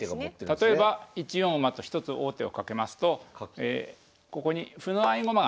例えば１四馬と一つ王手をかけますとここに歩の合駒ができます。